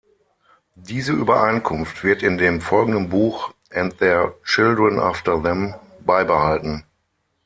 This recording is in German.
Diese Übereinkunft wird in dem folgenden Buch "And Their Children After Them" beibehalten.